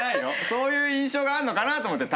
そういう印象があんのかなと思って。